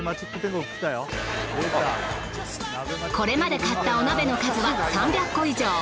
これまで買ったおなべの数は３００個以上。